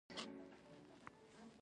بزګر د شپې هم د سبا سوچ لري